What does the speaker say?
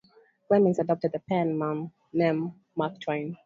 Clemens adopted the pen name Mark Twain.